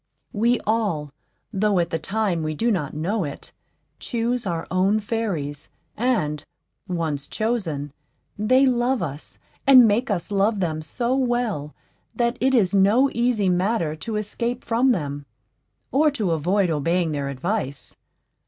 We all, though at the time we do not know it, choose our own fairies, and, once chosen, they love us and make us love them so well that it is no easy matter to escape from them, or to avoid obeying their advice.